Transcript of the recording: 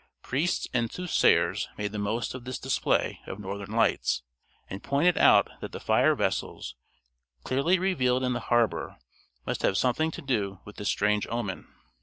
Priests and soothsayers made the most of this display of Northern Lights, and pointed out that the fire vessels, clearly revealed in the harbor, must have something to do with the strange omen.